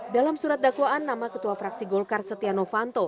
dalam surat dakwaan nama ketua fraksi golkar setiano fanto